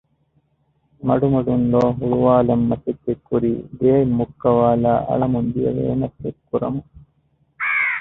މަޑުމަޑު މަޑުން ލޯ ހުޅުވާލަން މަސައްކަތްކުރީ ދެއަތް މުއްކަވާލައި އަޅަމުންދިޔަ ވޭނަށް ކެތްކުރަމުން